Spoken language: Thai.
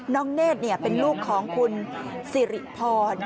เนธเป็นลูกของคุณสิริพร